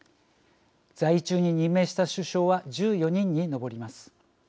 在位中に任命した首相は１４人に上ります。